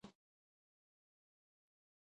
د بشري حقونو رعایت ته پاملرنه شوې ده.